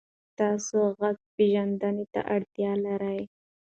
تاسو غږ پېژندنې ته اړتیا لرئ.